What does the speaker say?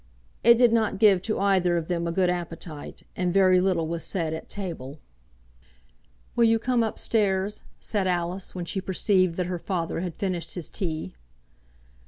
It did not give to either of them a good appetite, and very little was said at table. "Will you come up stairs?" said Alice, when she perceived that her father had finished his tea.